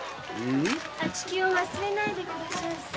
あちきを忘れないでくだしゃんせ。